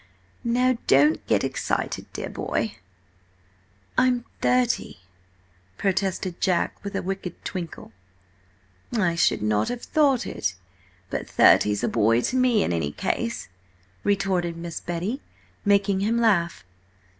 "Now don't get excited, dear boy!" "I'm thirty!" protested Jack with a wicked twinkle. "I should not have thought it, but thirty's a boy to me, in any case!" retorted Miss Betty, making him laugh.